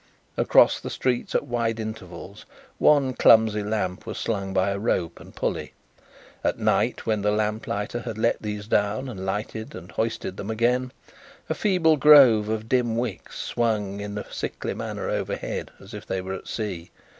Across the streets, at wide intervals, one clumsy lamp was slung by a rope and pulley; at night, when the lamplighter had let these down, and lighted, and hoisted them again, a feeble grove of dim wicks swung in a sickly manner overhead, as if they were at sea.